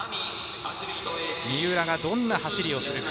三浦がどんな走りをするか。